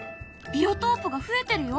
ビオトープが増えてるよ！